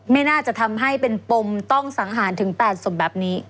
ไม่น่าจะทำให้เป็นปมต้องสังหารถึง๘ศพแบบนี้